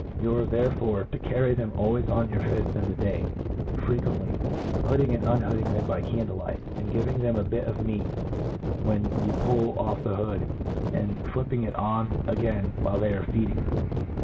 You are therefore to carry them always on your fift in the day, frequently hooding and un hooding them by candle light, and giving them a bit of meat when you pull oflF the hood, and flipping it on again while they are feeding.